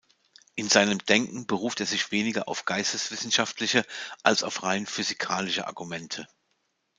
In seinem Denken beruft er sich weniger auf geisteswissenschaftliche als auf rein physikalische Argumente.